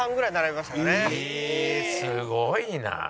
すごいなあ。